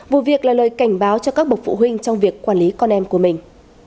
vụ việc là lời cảnh báo cho các bậc phụ huynh trong việc quản lý con em của mình